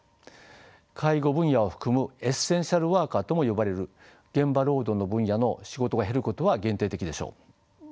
介護分野を含むエッセンシャルワーカーとも呼ばれる現場労働の分野の仕事が減ることは限定的でしょう。